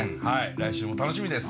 来週も楽しみです。